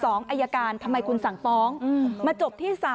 สองสามีภรรยาคู่นี้มีอาชีพ